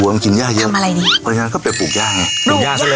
กินย่าเยอะทำอะไรดีเพราะฉะนั้นก็ไปปลูกย่าไงปลูกย่าซะเลย